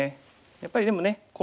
やっぱりでもねこう。